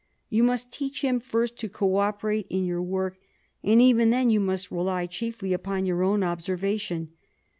You must teach him first to co operate in your work, and even then you must rely chiefly upon your own observation.